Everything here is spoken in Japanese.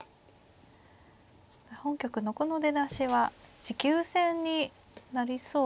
本局のこの出だしは持久戦になりそうですか。